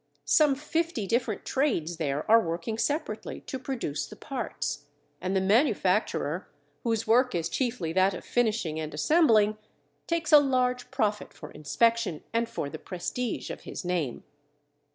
Some fifty different trades there are working separately to produce the parts. And the manufacturer, whose work is chiefly that of finishing and assembling, takes a large profit for inspection and for the prestige of his name.